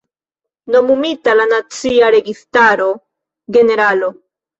Nomumita de Nacia Registaro generalo.